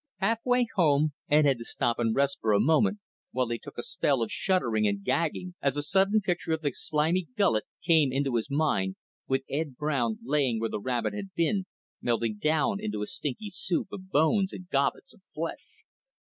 Halfway home, Ed had to stop and rest for a moment while he took a spell of shuddering and gagging as a sudden picture of the slimy gullet came into his mind, with Ed Brown laying where the rabbit had been, melting down into a stinking soup of bones and gobbets of flesh.